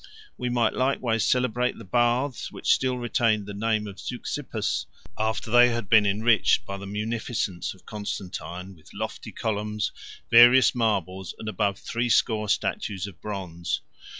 50 We might likewise celebrate the baths, which still retained the name of Zeuxippus, after they had been enriched, by the munificence of Constantine, with lofty columns, various marbles, and above threescore statues of bronze.